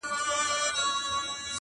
مېږي خور که شرمښکۍ ده که مرغان دي-